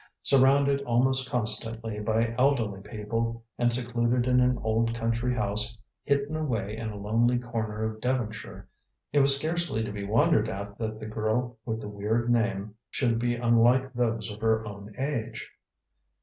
Surrounded almost constantly by elderly people and secluded in an old country house hidden away in a lonely corner of Devonshire, it was scarcely to be wondered at that the girl with the weird name should be unlike those of her own age.